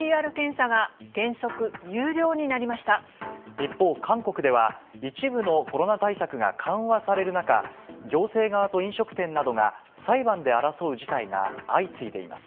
一方、韓国では一部のコロナ対策が緩和される中、行政側と飲食店などが、裁判で争う事態が相次いでいます。